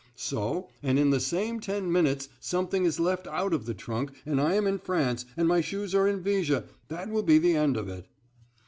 "So, and in the same ten minutes something is left out of the trunk, and I am in France, and my shoes are in Viger, that will be the end of it."